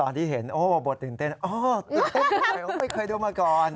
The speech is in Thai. ตอนที่เห็นโอ๊ยบทตื่นเต้นโอ๊ยอุ๊ยไม่เคยดูมาก่อน